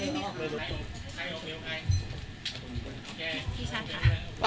พี่ชันค่ะ